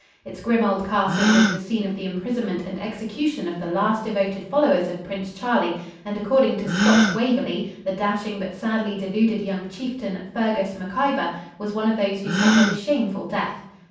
Its grim old castle was the scene of the imprisonment and execution of the last devoted followers of Prince Charlie, and according to Scott's Waverly the dashing but sadly deluded young chieftain, Fergus McIvor, was one of those who suffered a shameful death.